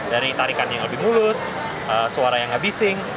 dari tarikan yang lebih mulus suara yang ngebising